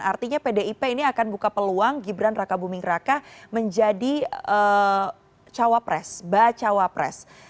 artinya pdip ini akan buka peluang gibran raka buming raka menjadi cawapres